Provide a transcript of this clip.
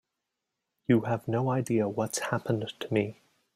You have no idea what's happened to me.